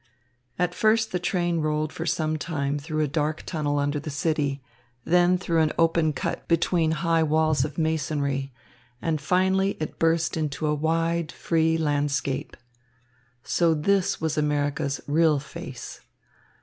At first the train rolled for some time through a dark tunnel under the city, then through an open cut between high walls of masonry, and finally it burst into a wide, free landscape. So this was America's real face.